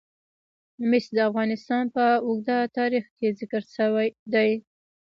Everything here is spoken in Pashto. مس د افغانستان په اوږده تاریخ کې ذکر شوی دی.